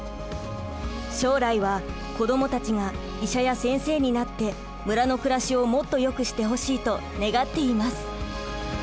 将来は子供たちが医者や先生になって村の暮らしをもっとよくしてほしいと願っています。